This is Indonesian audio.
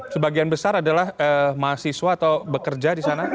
sebagian besar adalah mahasiswa atau bekerja di sana